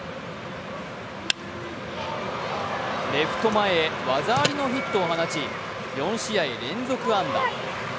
レフト前へ技ありのヒットを放ち、４試合連続安打。